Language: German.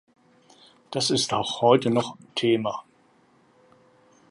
Das ist auch heute noch Thema.